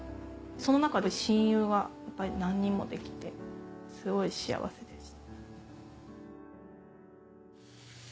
その中で親友が何人もできてすごい幸せでした。